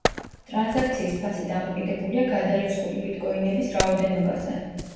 ტრანზაქციის ფასი დამოკიდებულია გადარიცხული ბიტკოინების რაოდენობაზე.